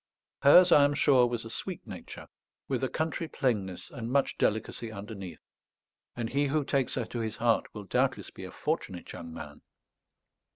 Hers, I am sure, was a sweet nature, with a country plainness and much delicacy underneath; and he who takes her to his heart will doubtless be a fortunate young man.